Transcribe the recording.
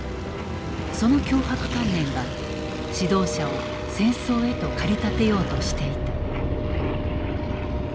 その強迫観念が指導者を戦争へと駆り立てようとしていた。